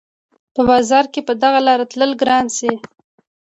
په باران کښې په دغه لاره تلل ګران شي